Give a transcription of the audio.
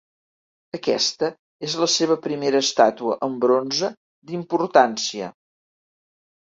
Aquesta és la seva primera estàtua en bronze d'importància.